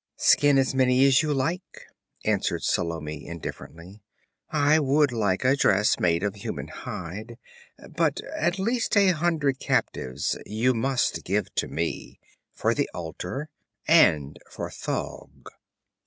'Skin as many as you like,' answered Salome indifferently. 'I would like a dress made of human hide. But at least a hundred captives you must give to me for the altar, and for Thaug.'